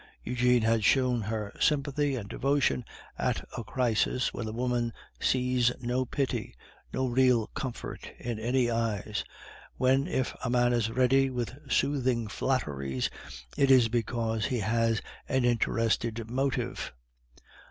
Eugene had shown her sympathy and devotion at a crisis when a woman sees no pity, no real comfort in any eyes; when if a man is ready with soothing flatteries, it is because he has an interested motive.